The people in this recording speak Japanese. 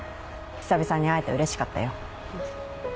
久々に会えて嬉しかったよ。